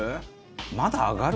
まだ上がる？」